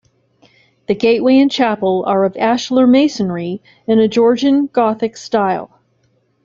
The gateway and chapel are of ashlar masonry in a Georgian Gothick style.